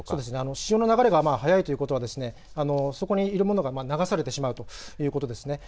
潮の流れが速いということはそこにいるものが流されてしまうということです。